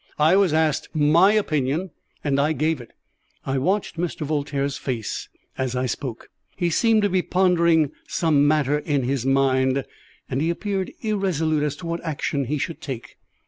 I was asked my opinion, and I gave it." I watched Mr. Voltaire's face as I spoke. He seemed to be pondering some matter in his mind, and appeared irresolute as to what action he should take.